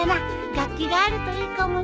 楽器があるといいかもね。